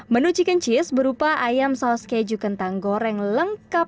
menu chicken cheese berupa ayam saus keju kentang goreng lengkap